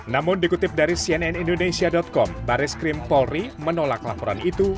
namun dikutip dari cnn indonesia com baris krim polri menolak laporan itu